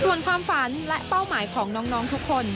ส่วนความฝันและเป้าหมายของน้องทุกคน